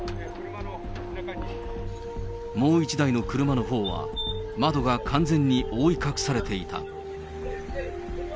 もう１台の車のほうは、窓が完全に覆い隠されていた。